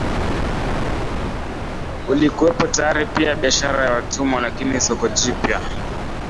ulikuwepo tayari pia biashara ya watumwa Lakini soko jipya